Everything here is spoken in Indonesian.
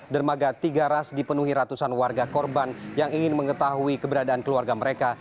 dermaga tiga ras dipenuhi ratusan warga korban yang ingin mengetahui keberadaan keluarga mereka